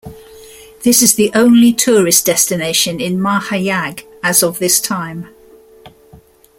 This is the only tourist destination in Mahayag as of this time.